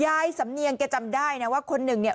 สำเนียงแกจำได้นะว่าคนหนึ่งเนี่ย